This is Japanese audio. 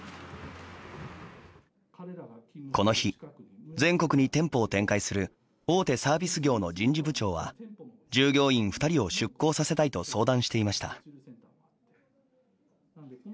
この日、全国に店舗を展開する大手サービス業の人事部長は従業員２人を出向させたいと相談していました。